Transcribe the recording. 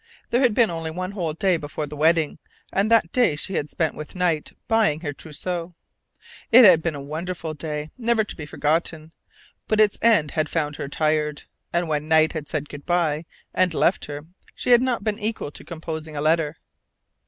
There had been only one whole day before the wedding, and that day she had spent with Knight, buying her trousseau. It had been a wonderful day, never to be forgotten, but its end had found her tired; and when Knight had said "good bye" and left her, she had not been equal to composing a letter.